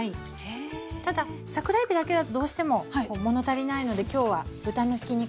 ただ桜えびだけだとどうしても物足りないので今日は豚のひき肉も入れました。